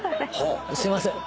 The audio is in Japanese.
すいません